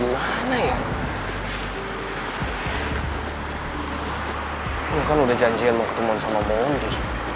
lu kan udah janjian mau ketemuan sama bonti